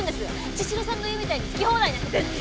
茅代さんが言うみたいに好き放題なんて全然。